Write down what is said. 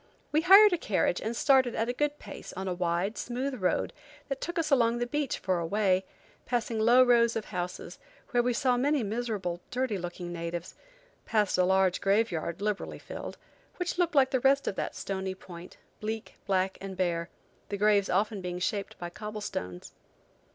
We hired a carriage and started at a good pace, on a wide, smooth road that took us along the beach for a way, passing low rows of houses, where we saw many miserable, dirty looking natives; passed a large graveyard, liberally filled, which looked like the rest of that stony point, bleak, black and bare, the graves often being shaped by cobblestones.